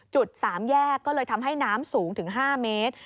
๓แยกก็เลยทำให้น้ำสูงถึง๕เมตร